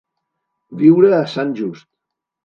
Viure a Sant Just.